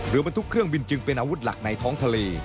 บรรทุกเครื่องบินจึงเป็นอาวุธหลักในท้องทะเล